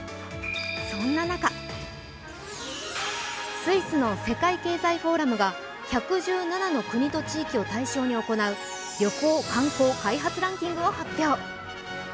そんな中スイスの世界経済フォーラムが１１７の国と地域を対象に行う旅行・観光開発ランキングを発表。